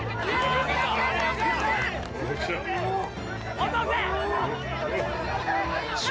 ・落とせ！